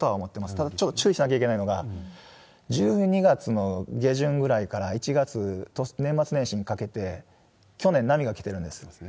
ただ、ちょっと注意しなきゃいけないのが、１２月の下旬ぐらいから１月、年末年始にかけて、去年、波が来てるんですね。